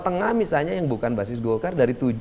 tengah misalnya yang bukan basis golkar dari